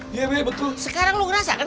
iya be betul sekarang lu ngerasakan